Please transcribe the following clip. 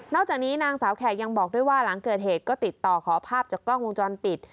จากนี้นางสาวแขกยังบอกด้วยว่าหลังเกิดเหตุก็ติดต่อขอภาพจากกล้องวงจรปิด